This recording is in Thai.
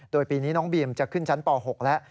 โดยปีนี้น้องบีมจะขึ้นชั้นป๖แล้ว